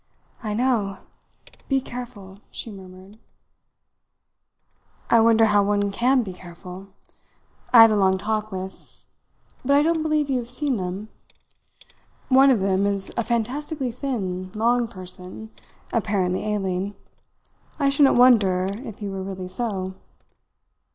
"I know. Be careful!" she murmured. "I wonder how one can be careful! I had a long talk with but I don't believe you have seen them. One of them is a fantastically thin, long person, apparently ailing; I shouldn't wonder if he were really so.